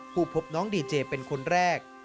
ผู้พบน้องดีเจเป็นคนแรก